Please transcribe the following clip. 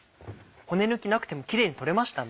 骨抜きなくてもキレイに取れましたね。